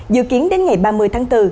dự kiến đến ngày ba mươi tháng bốn